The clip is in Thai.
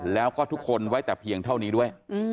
แล้วก็ทุกคนไว้แต่เพียงเท่านี้ด้วย